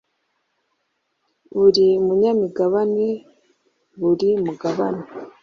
buri munyamigabane buri mugabane